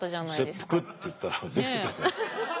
切腹って言ったら出てった。